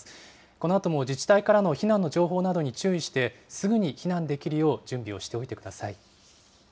このあとも自治体からの避難の情報などに注意して、すぐに避難できるよう準備をしておいてください。